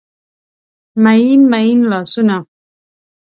میین، میین لاسونه